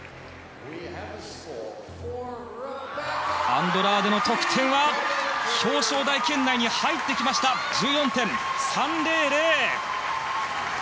アンドラーデの得点は表彰台圏内に入ってきた！１４．３００！